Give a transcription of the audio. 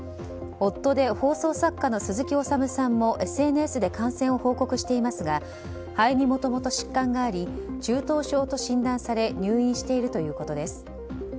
夫で放送作家の鈴木おさむさんもＳＮＳで感染を報告していますが肺にもともと疾患があり中等症と診断され入院しているということです。